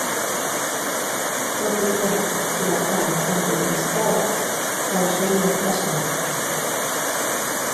O ciclón, furacán ou tempestade, causou moitas mortes